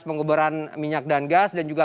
penguburan minyak dan gas dan juga